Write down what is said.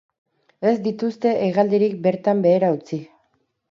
Ez dituzte hegaldirik bertan behera utzi.